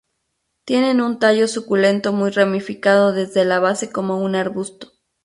Tienen un tallo suculento muy ramificado desde la base como un arbusto.